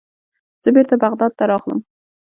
زه بیرته بغداد ته راغلم.